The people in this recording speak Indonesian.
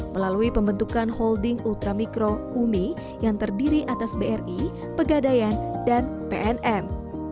melalui pembentukan holding ultra mikro umi yang terdiri atas bri pegadayan dan pnm